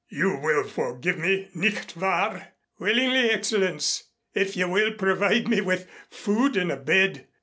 You will forgive me, nicht wahr?" "Willingly, Excellenz, if you will provide me with food and a bed.